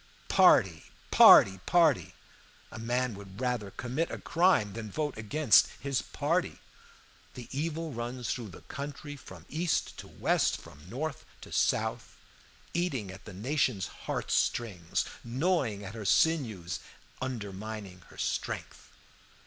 "Party, party, party! A man would rather commit a crime than vote against his party. The evil runs through the country from East to West, from North to South, eating at the nation's heartstrings, gnawing at her sinews, and undermining her strength.